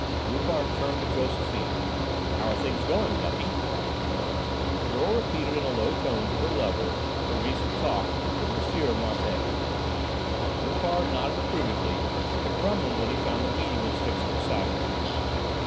Loupart turned to Josephine: "How are things going, ducky?" The girl repeated in a low tone to her lover her recent talk with M. Martialle. Loupart nodded approvingly, but grumbled when he found the meeting was fixed for Saturday.